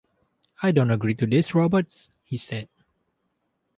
"I don't agree to this, Roberts," he said.